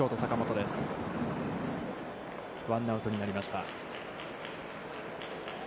ワンアウトになりました。